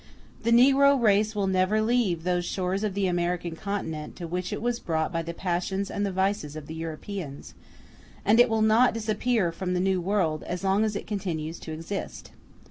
*w The negro race will never leave those shores of the American continent, to which it was brought by the passions and the vices of Europeans; and it will not disappear from the New World as long as it continues to exist.